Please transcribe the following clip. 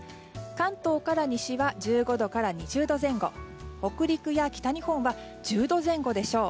関東から西は１５度から２０度前後北陸や北日本は１０度前後でしょう。